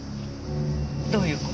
どういう事？